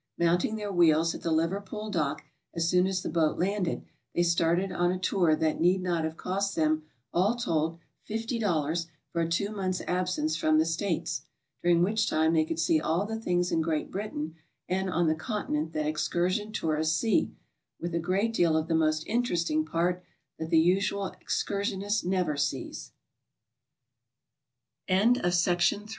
Mounting their wheels at the Liverpool dock as soon as the boat landed, they started on a tour that need not have cost them all told $50 for a two months' absence from the States, during which time they could see all the things in Great Britain and on the Continent that excursion tourists see, with a great deal of the most interesting part that the usual excursionist never sees. CHy\PTER IV. HOW